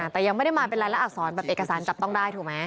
แต่ยังไม่ได้มาเป็นรายละอักษรแบบเอกสารจับต้องได้ถูกไหม